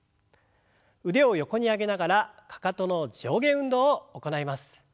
腕を横に上げながらかかとの上下運動を行います。